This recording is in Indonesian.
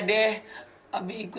sekarang keluar loh